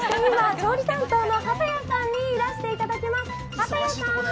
調理担当の畑谷さんにいらしていただきます。